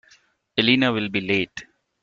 Elena will be late.